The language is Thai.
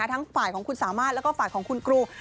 ทั้งฝ่ายของคุณสามารถแล้วก็ฝ่ายของคุณครู